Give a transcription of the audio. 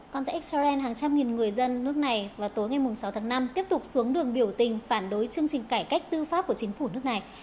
còn tại israel hàng trăm nghìn người dân nước này vào tối ngày sáu tháng năm tiếp tục xuống đường biểu tình phản đối chương trình cải cách tư pháp của chính phủ nước này